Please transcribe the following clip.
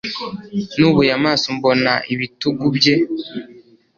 Nubuye amaso mbona ibitugu bye